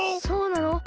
そうなの？